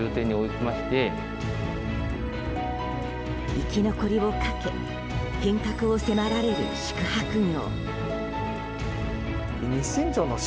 生き残りをかけ変革を迫られる宿泊業。